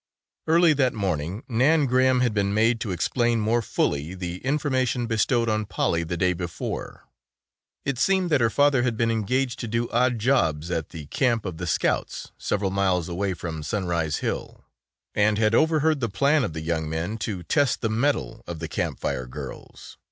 Early that morning Nan Graham had been made to explain more fully the information bestowed on Polly the day before. It seemed that her father had been engaged to do odd jobs at the camp of the Scouts several miles away from Sunrise Hill and had overheard the plan of the young men to test the mettle of the Camp Fire girls.